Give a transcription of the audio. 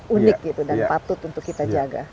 ini juga sangat unik dan patut untuk kita jaga